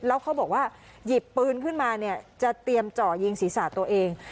แล้วเขาบอกว่าหยิบปืนขึ้นมาเนี่ยจะเตรียมเจาะยิงศีรษะตัวเอง